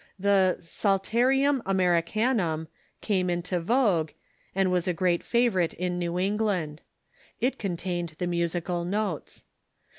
The " Psalterium Americanum " came into vogue, and was a great favorite in New England. It contained the musical notes.